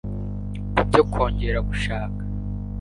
ku byo kongera gushaka